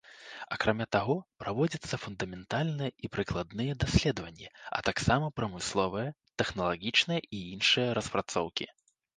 Акрамя таго, праводзяцца фундаментальныя і прыкладныя даследаванні, а таксама прамысловыя, тэхналагічныя і іншыя распрацоўкі.